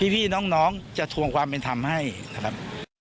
พี่น้องจะทวงความเป็นธรรมให้นะครับ